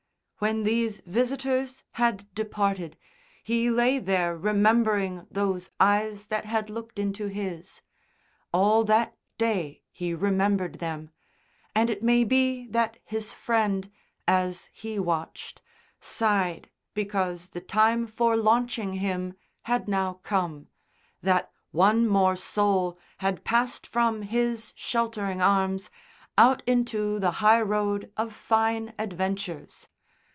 When these visitors had departed, he lay there remembering those eyes that had looked into his. All that day he remembered them, and it may be that his Friend, as he watched, sighed because the time for launching him had now come, that one more soul had passed from his sheltering arms out into the highroad of fine adventures.